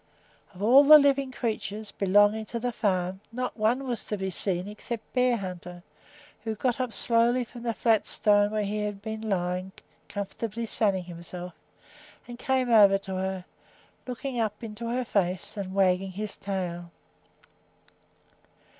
Of all the living creatures belonging to the farm, not one was to be seen except Bearhunter, who got up slowly from the flat stone where he had been lying, comfortably sunning himself, and came over to her, looking up into her face and wagging his tail.